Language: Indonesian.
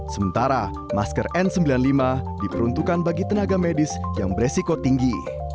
sementara masker n sembilan puluh lima diperuntukkan bagi tenaga medis yang beresiko tinggi